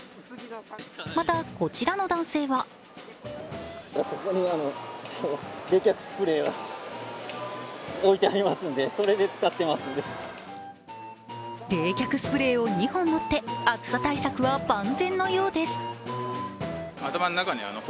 また、こちらの男性は冷却スプレーを２本持って暑さ対策は万全のようです。